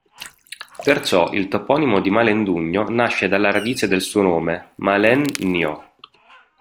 Perciò il toponimo di Melendugno nasce dalla radice del suo nome, Malen-nio.